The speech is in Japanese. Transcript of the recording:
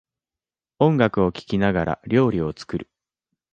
音楽を聴きながら料理を作る